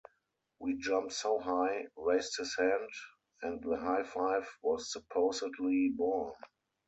We jump so high, raised his hand and the high five was supposedly born.